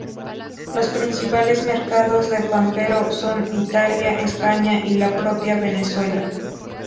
Los principales mercados de Pampero son Italia, España y la propia Venezuela.